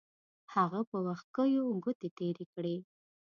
هغه په وښکیو ګوتې تېرې کړې.